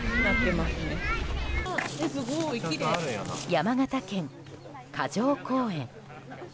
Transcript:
山形県霞城公園。